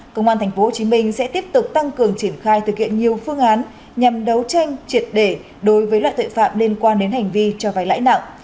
công an tp hcm sẽ tiếp tục tăng cường triển khai thực hiện nhiều phương án nhằm đấu tranh triệt để đối với loại tội phạm liên quan đến hành vi cho vay lãi nặng